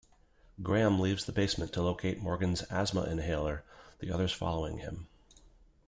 Graham leaves the basement to locate Morgan's asthma inhaler, the others following him.